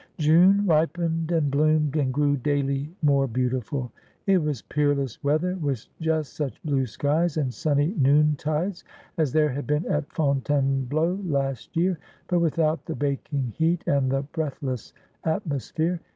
June ripened, and bloomed, and grew daily more beautiful. It was peerless weather, with just such blue skies and sunny noontides as there had been at Fontainebleau last year, but without the baking heat and the breathless atmosphere.